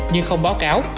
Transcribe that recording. nhưng không báo cáo